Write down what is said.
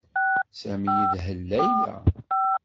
Sami yedhel Layla.